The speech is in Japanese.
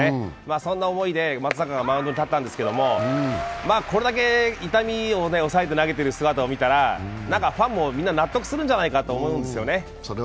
そんな思いで松坂がマウンドに立ったんですけど、これだけ痛みを抑えて投げている姿を見たら、なんかファンもみんな納得するんじゃないかと思うんですよね。